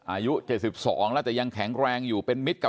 อายุ๗๒แล้วยังแข็งแรงแห็งอยู่